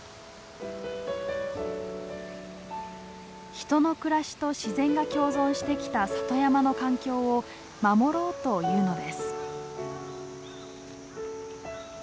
人の暮らしと自然が共存してきた里山の環境を守ろうというのです。